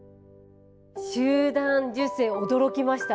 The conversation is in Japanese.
集団受精驚きました。